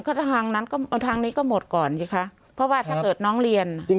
ก็ทางนั้นก็เอาทางนี้ก็หมดก่อนสิคะเพราะว่าถ้าเกิดน้องเรียน